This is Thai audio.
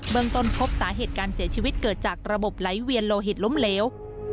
เมืองต้นพบสาเหตุการเสียชีวิตเกิดจากระบบไหลเวียนโลหิตล้มเหลว